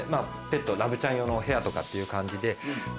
ペットラブちゃん用のお部屋とかっていう感じで。